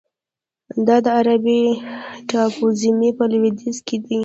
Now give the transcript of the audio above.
دا د عربي ټاپوزمې په لویدیځ کې دی.